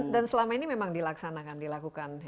dan selama ini memang dilaksanakan dilakukan ya